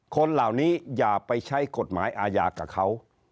คนเหล่านี้อย่าไปใช้กฎหมายอาญากับเขา